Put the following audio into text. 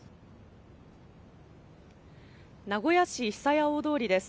名古屋市ひさや大通りです。